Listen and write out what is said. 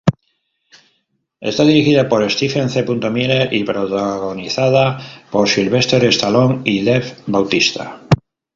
Esta dirigida por Steven C. Miller y protagonizada por Sylvester Stallone y Dave Bautista.